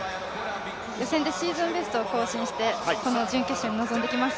予選でシーズンベストを更新して、この準決勝に臨んできます